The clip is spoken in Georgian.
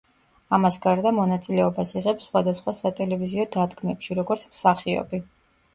ამას გარდა, მონაწილეობას იღებს სხვადასხვა სატელევიზიო დადგმებში, როგორც მსახიობი.